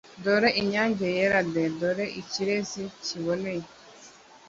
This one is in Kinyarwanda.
dore inyange yera de, dore ikirezi kiboneye